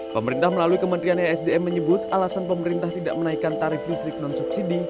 pemerintah melalui kementerian esdm menyebut alasan pemerintah tidak menaikkan tarif listrik non subsidi